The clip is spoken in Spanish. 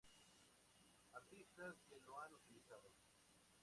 Artistas que lo han utilizado